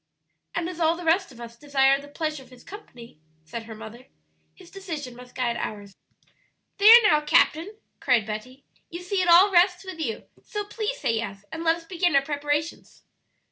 "And as all the rest of us desire the pleasure of his company," said her mother, "his decision must guide ours." "There, now, captain," cried Betty, "you see it all rests with you; so please say yes, and let us begin our preparations."